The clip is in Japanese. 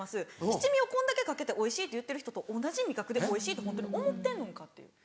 七味をこんだけかけておいしいって言ってる人と同じ味覚でおいしいとホントに思ってんのんかっていう。